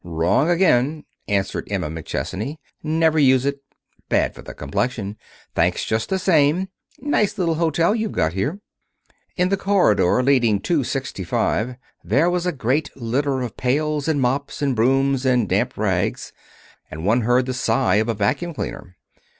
"Wrong again," answered Emma McChesney. "Never use it. Bad for the complexion. Thanks just the same. Nice little hotel you've got here." In the corridor leading to sixty five there was a great litter of pails, and mops, and brooms, and damp rags, and one heard the sigh of a vacuum cleaner.